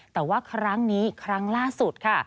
แต่ว่าครั้งนี้ครั้งล่าสุดค่ะ